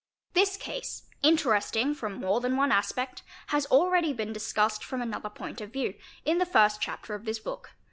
This case, interesting from more than one aspect, has : already been discussed from another point of view, in the first chapter of this book (p.